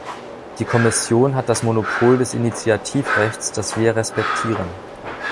Die Kommission hat das Monopol des Initiativrechts, das wir respektieren.